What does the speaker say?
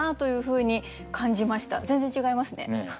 全然違いますね。